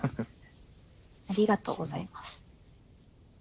ありがとうございます。